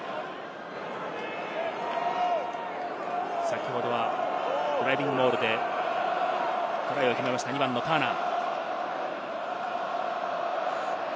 先ほどはドライビングモールでトライを決めたターナー。